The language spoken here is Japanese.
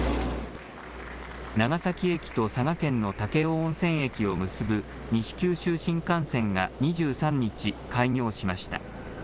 長崎駅と佐賀県の武雄温泉駅を結ぶ西九州新幹線が２３日、開業しました。